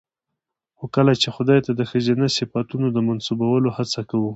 خو کله چې خداى ته د ښځينه صفتونو د منسوبولو هڅه کوو